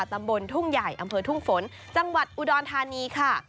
ตำบลทุ่งใหญ่อำเภอทุ่งฝนจังหวัดอุดรธานีค่ะ